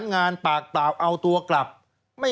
สวัสดีค่ะต้อนรับคุณบุษฎี